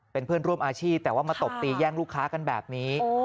เป็นเพื่อนร่วมอาชีพแต่ว่ามาตบตีแย่งลูกค้ากันแบบนี้